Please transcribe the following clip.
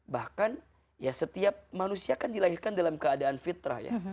bahkan setiap manusia kan dilahirkan dalam keadaan fitrah